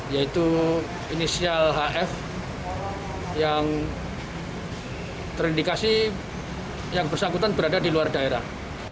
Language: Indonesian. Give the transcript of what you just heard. yaitu inisial hf yang terindikasi yang bersangkutan berada di luar daerah